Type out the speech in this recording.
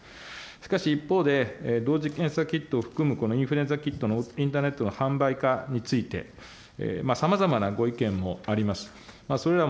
しかし一方で、同時検査キットを含むこのインフルエンザキットのインターネット販売かについて、さまざまなご意見もあります。